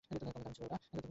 তবে দারুণ ছিলো ওটা।